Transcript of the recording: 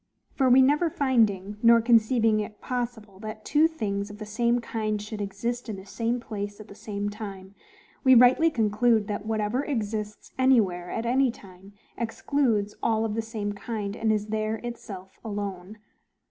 For we never finding, nor conceiving it possible, that two things of the same kind should exist in the same place at the same time, we rightly conclude, that, whatever exists anywhere at any time, excludes all of the same kind, and is there itself alone.